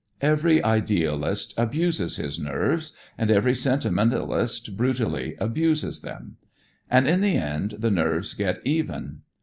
Every idealist abuses his nerves, and every sentimentalist brutally abuses them. And in the end, the nerves get even.